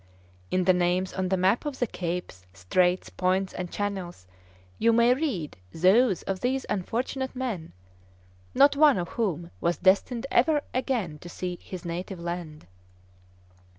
In the names on the map of the capes, straits, points, and channels, you may read those of these unfortunate men, not one of whom was destined ever again to see his native land.